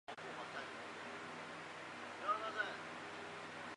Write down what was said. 海护王之子超日王势力被征服。